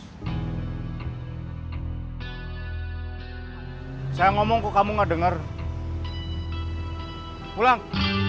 hai saya ngomong ke kamu nggak denger pulang